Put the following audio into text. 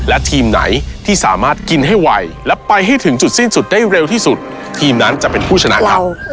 และทีมไหนที่สามารถกินให้ไวและไปให้ถึงจุดสิ้นสุดได้เร็วที่สุดทีมนั้นจะเป็นผู้ชนะเรา